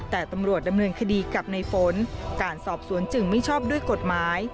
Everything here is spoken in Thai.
แต่ตำรวจดำเนินคดีกับในฝนการสอบสวนจึงไม่ชอบด้วยกฎหมาย